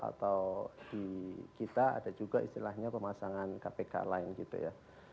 atau di kita ada juga istilahnya pemasangan kpk lain gitu ya